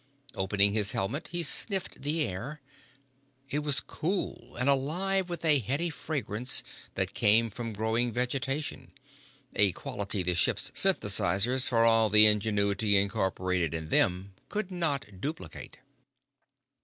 Opening his helmet, he sniffed the air. It was cool and alive with a heady fragrance that came from growing vegetation, a quality the ship's synthesizers, for all the ingenuity incorporated in them, could not duplicate.